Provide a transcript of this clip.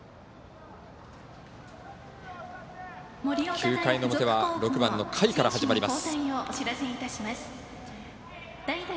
９回の表は６番の甲斐から始まります。